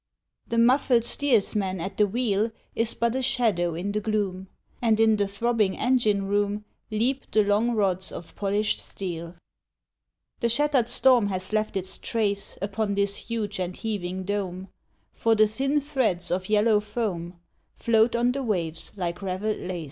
The muffled steersman at the wheel Is but a shadow in the gloom;— And in the throbbing engine room Leap the long rods of polished steel. The shattered storm has left its trace Upon this huge and heaving dome, For the thin threads of yellow foam Float on the waves like ravelled lace.